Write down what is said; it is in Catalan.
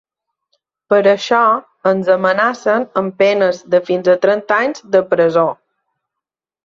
Per això ens amenacen amb penes de fins a trenta anys de presó.